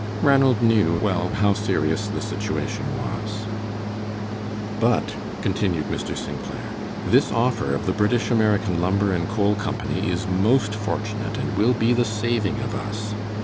Ranald knew well how serious the situation was. "But," continued Mr. St. Clair, "this offer of the British American Lumber and Coal Company is most fortunate, and will be the saving of us.